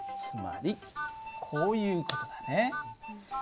つまりこういう事だね。